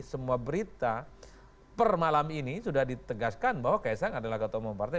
semua berita per malam ini sudah ditegaskan bahwa kaisang adalah ketua umum partai